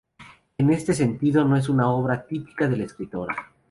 En ese sentido no es una obra típica de la escritora.